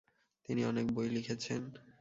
তিনি অনেক বই লিখেছেন।